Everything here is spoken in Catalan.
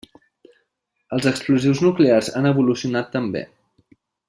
Els explosius nuclears han evolucionat també.